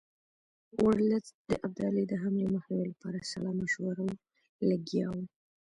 ورلسټ د ابدالي د حملې مخنیوي لپاره سلا مشورو لګیا وو.